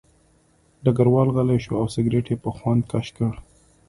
ډګروال غلی شو او سګرټ یې په خوند کش کړ